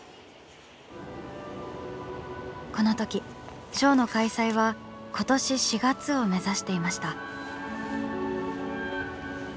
このときショーの開催は今年４月を目指していました。